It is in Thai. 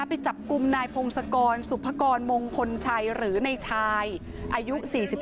วันนี้จับกลุ่มนายปงสกรสุภอกรมงคลชัยหรือนายชายอายุ๔๓